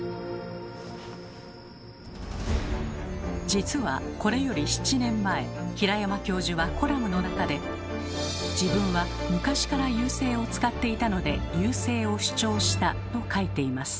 実はこれより７年前平山教授はコラムの中で自分は昔から「遊星」を使っていたので「遊星」を主張したと書いています。